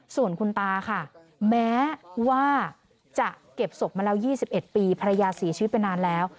ส่วนคุณตาค่ะแม้ว่าจะเก็บศพมาแล้ว๒๑ปีภรรยาเสียชีวิตไปนานแล้ว